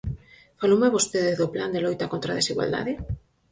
Faloume vostede do Plan de loita contra a desigualdade?